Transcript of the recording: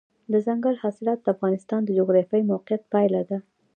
دځنګل حاصلات د افغانستان د جغرافیایي موقیعت پایله ده.